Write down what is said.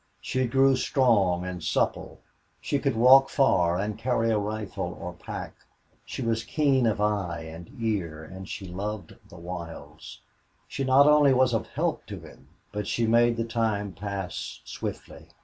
She grew strong and supple; she could walk far and carry a rifle or a pack; she was keen of eye and ear, and she loved the wilds; she not only was of help to him, but she made the time pass swiftly.